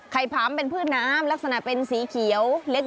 ผำเป็นพืชน้ำลักษณะเป็นสีเขียวเล็ก